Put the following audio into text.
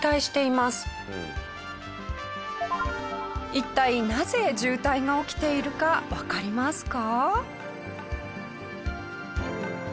一体なぜ渋滞が起きているかわかりますか？